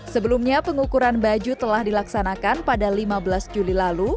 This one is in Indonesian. sebelumnya pengukuran baju telah dilaksanakan pada lima belas juli lalu